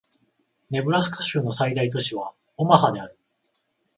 ネブラスカ州の最大都市はオマハである